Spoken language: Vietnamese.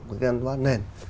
của cái an toán nền